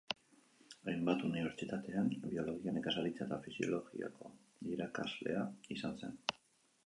Hainbat unibertsitatetan biologia, nekazaritza eta fisiologiako irakaslea izan zen.